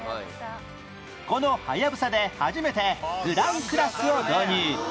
このはやぶさで初めてグランクラスを導入